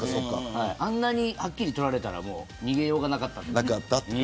あんなに、はっきり撮られたら逃げようがなかったので。